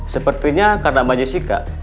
sepertinya karena mbak jessica